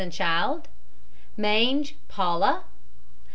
and child. MANGE, PAULA.